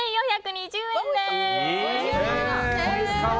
１４２０円です。